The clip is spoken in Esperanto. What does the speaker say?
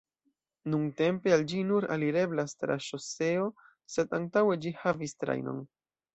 Nuntempe al ĝi nur alireblas tra ŝoseo sed antaŭe ĝi havis trajnon.